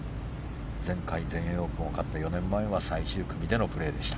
前回全英オープンを勝った４年前は最終組でのプレーでした。